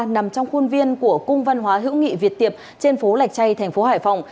nằm trong khuôn viên của cung văn hóa hữu nghị việt tiệp trên phố lạch chay thành phố hải phòng